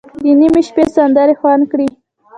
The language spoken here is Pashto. د نیمې شپې سندرې خوند کړي.